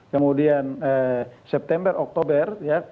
kemudian september oktober